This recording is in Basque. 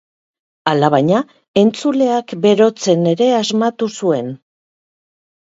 Alabaina, entzuleak berotzen ere asmatu zuen.